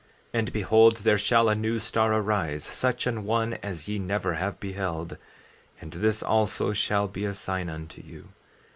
14:5 And behold, there shall a new star arise, such an one as ye never have beheld; and this also shall be a sign unto you.